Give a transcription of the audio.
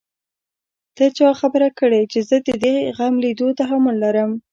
ته چا خبره کړې چې زه د دې غم ليدو تحمل لرم.